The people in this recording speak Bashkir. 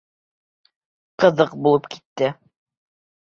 Ҡыҙыҡ булып китте.